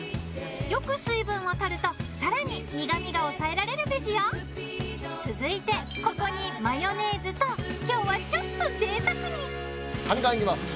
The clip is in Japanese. よく水分を取ると更に苦みが抑えられるベジよ続いてここにマヨネーズと今日はちょっとぜいたくにカニ缶いきます。